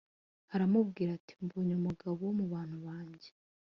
aramubwira ati Mbonye umugabo wo mu bantu banjye